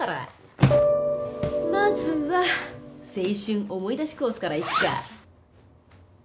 まずは青春思い出しコースからいくか。